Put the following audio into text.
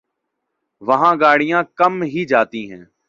وہاں گاڑیاں کم ہی جاتی ہیں ۔